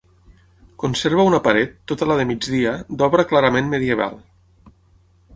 Conserva una paret, tota la de migdia, d'obra clarament medieval.